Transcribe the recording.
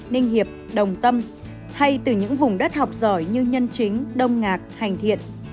ninh hiệp đồng tâm hay từ những vùng đất học giỏi như nhân chính đông ngạc hành thiện